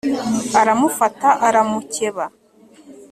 aramufata, aramukeba